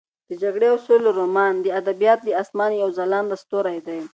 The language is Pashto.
د جګړې او سولې رومان د ادبیاتو د اسمان یو ځلانده ستوری دی.